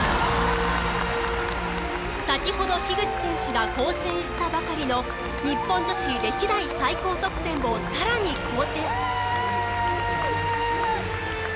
先ほど口選手が更新したばかりの日本女子歴代最高得点を更に更新！